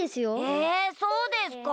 えそうですか？